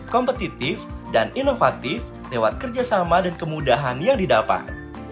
kompetitif dan inovatif lewat kerjasama dan kemudahan yang didapat